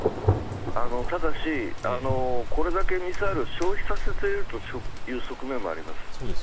ただし、これだけミサイルを消費させているという側面もあります。